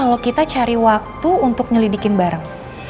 gimana kalo kita cari waktu untuk nyelidikin bareng